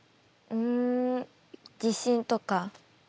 ん自信とか。